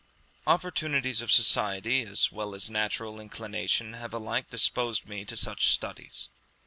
Opportunities of society as well as natural inclination have alike disposed me to such studies.